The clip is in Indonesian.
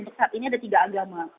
untuk saat ini ada tiga agama